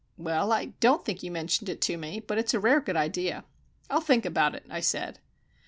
"Well, I don't think you mentioned it to me, but it's a rare good idea." "I'll think about it," I said.